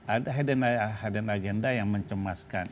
ada agenda yang mencemaskan